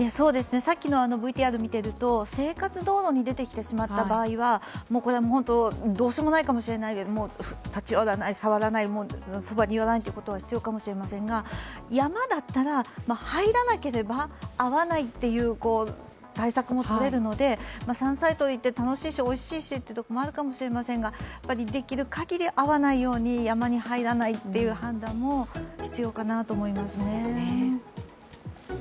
さっきのＶＴＲ見てると生活道路に出てきてしまった場合は、これはどうしようもないかもしれないので、立ち寄らない、触らない、そばに寄らないということは必要かもしれませんが、山だったら入らなければ会わないという対策もとれるので、山菜採りって楽しいし、おいしいしというところもあるかもしれませんができるかぎり会わないように、山に入らないという判断も必要かなと思いますね。